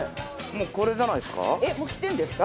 これじゃないですか？